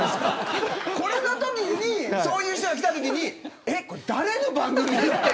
このときにそういう人が来たときえっ、これ誰の番組って。